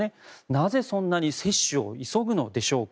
なぜそんなに接種を急ぐのでしょうか。